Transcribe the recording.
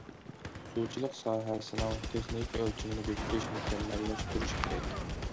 سۇچىلىق ساھەسىنىڭ تېخنىكا ئۆلچىمىنى بېكىتىش، مۇكەممەللەشتۈرۈش كېرەك.